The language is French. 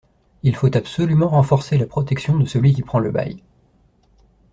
Il faut absolument renforcer la protection de celui qui prend le bail.